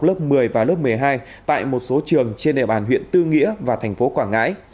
học lớp một mươi và lớp một mươi hai tại một số trường trên địa bàn huyện tư nghĩa và tp quảng ngãi